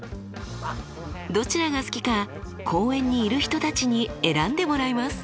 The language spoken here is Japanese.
どちらが好きか公園にいる人たちに選んでもらいます。